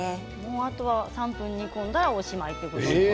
あとは３分煮込んだらおしまいですね。